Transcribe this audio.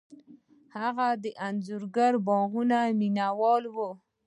هغه د انځورګرۍ او باغونو مینه وال و.